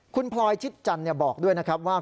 คุณพลอยชิดจันทร์บอกด้วยนะครับว่า